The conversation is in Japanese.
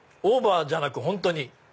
オーバーじゃなく本当に。